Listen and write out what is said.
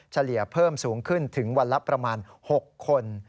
เฉลี่ยเพิ่มสูงขึ้นถึงวันละประมาณ๖คน